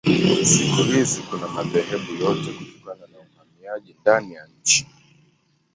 Siku hizi kuna madhehebu yote kutokana na uhamiaji ndani ya nchi.